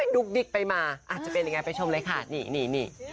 ุ๊กดิ๊กไปมาอาจจะเป็นยังไงไปชมเลยค่ะนี่